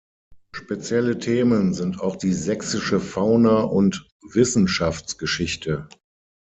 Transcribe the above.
Spezielle Themen sind auch die sächsische Fauna und Wissenschaftsgeschichte.